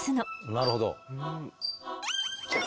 なるほど。